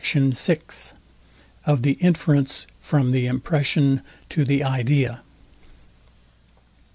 VI. OF THE INFERENCE FROM THE IMPRESSION TO THE IDEA.